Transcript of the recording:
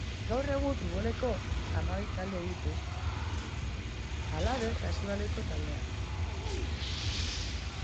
Gaur egun futboleko hamabi talde ditu; halaber, saskibaloiko taldea.